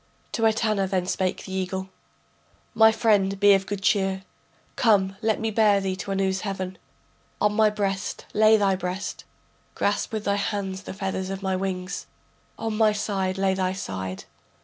To Etana then spake the eagle: My friend, be of good cheer. Come, let me bear thee to Anu's heaven, On my breast lay thy breast, Grasp with thy hands the feathers of my wings. On my side lay thy side.